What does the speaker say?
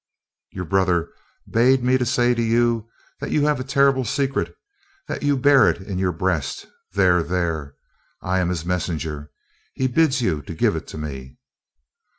"Your brother bade me to say to you that you have a terrible secret, that you bear it in your breast there there. I am his messenger. He bids you to give it to me."